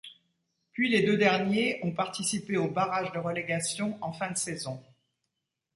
Puis les deux derniers ont participé aux barrages de relégation en fin de saison.